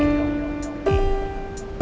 terima kasih bu